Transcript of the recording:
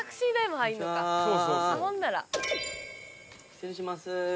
失礼します。